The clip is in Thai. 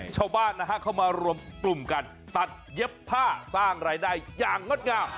ชาวบ้านนะฮะเข้ามารวมกลุ่มกันตัดเย็บผ้าสร้างรายได้อย่างงดงาม